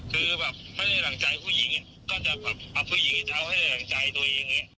คือแบบให้ได้หลังจ่ายผู้หญิงก็จะเอาให้ได้หลังจ่ายตัวเองเนี่ย